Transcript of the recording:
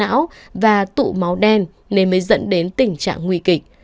cháu đã bị tổn thương nặng và tụ máu đen nên mới dẫn đến tình trạng nguy kịch